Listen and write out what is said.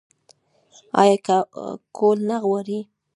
يا کول نۀ غواړي